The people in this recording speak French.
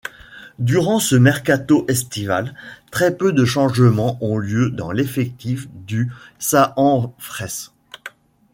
Durant ce mercato estival, très peu de changements ont lieu dans l'effectif du Saanfrecce.